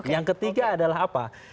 yang ketiga adalah apa